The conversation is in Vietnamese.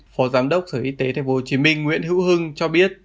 phó giám đốc sở y tế tp hcm nguyễn hữu hưng cho biết